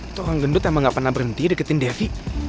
itu orang gendut emang gak pernah berhenti deketin devi